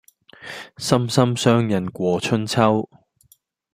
心心相印過春秋